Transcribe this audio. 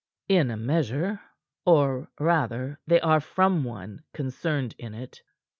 "In a measure; or, rather, they are from one concerned in it."